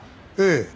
ええ。